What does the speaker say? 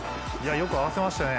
よく合わせましたね